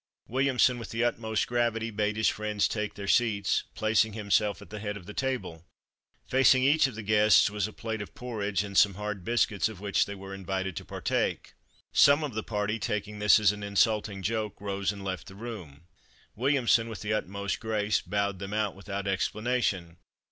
Williamson, with the utmost gravity, bade his friends take their seats, placing himself at the head of the table. Facing each of the guests was a plate of porridge and some hard biscuits of which they were invited to partake. Some of the party taking this as an insulting joke, rose and left the room. Williamson, with the utmost grace, bowed them out without explanation.